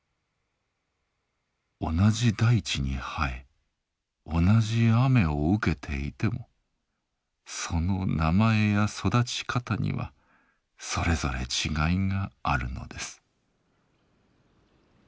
同じ大地に生え同じ雨を受けていてもその名前や育ち方にはそれぞれ違いがあるのです。